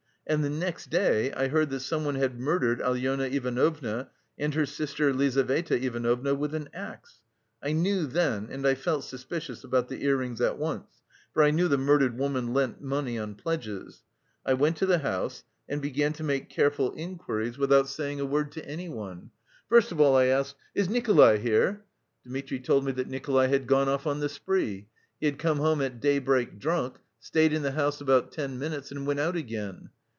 And the next day I heard that someone had murdered Alyona Ivanovna and her sister, Lizaveta Ivanovna, with an axe. I knew them, and I felt suspicious about the ear rings at once, for I knew the murdered woman lent money on pledges. I went to the house, and began to make careful inquiries without saying a word to anyone. First of all I asked, "Is Nikolay here?" Dmitri told me that Nikolay had gone off on the spree; he had come home at daybreak drunk, stayed in the house about ten minutes, and went out again.